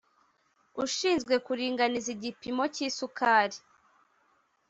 ushinzwe kuringaniza igipimo cy’isukari